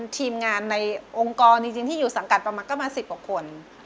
ทีมงานในองค์กรจริงที่อยู่สังกัดประมาณก็มา๑๐กว่าคน